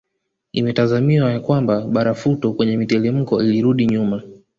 Imetazamiwa ya kwamba barafuto kwenye mitelemko ilirudi nyuma